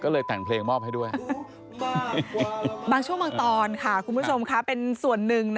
เลยตรวจโชว์